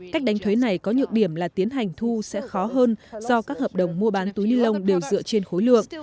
cách đánh thuế này có nhược điểm là tiến hành thu sẽ khó hơn do các hợp đồng mua bán túi ni lông đều dựa trên khối lượng